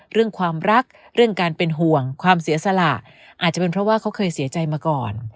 เรื่องความรักเรื่องการเป็นห่วงความเสียสละอาจจะเป็นเพราะว่าเขาเคยเสียใจมาก่อน